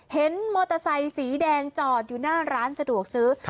เห็นมอเตอร์ไซค์สีแดงจอดอยู่หน้าร้านสะดวกซื้อ